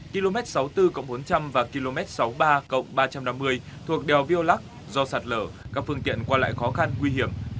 km sáu mươi bốn bốn trăm linh và km sáu mươi ba ba trăm năm mươi thuộc đèo viêu lắc do sạt lở các phương tiện qua lại khó khăn nguy hiểm